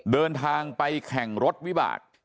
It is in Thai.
เดินทางไปแข่งรถวิบาก